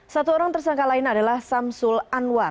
satu orang tersangka lain adalah samsul anwar